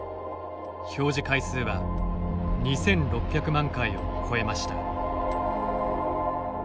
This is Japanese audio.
表示回数は２６００万回を超えました。